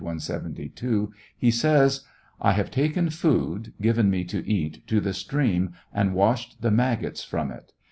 172,) he says : I have taken food, given me to eat, to the stream and washed the maggots from it.